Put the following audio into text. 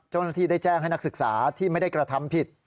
เจ้าหน้าที่ได้แจ้งให้นักศึกษาที่ไม่ได้กระทำผิด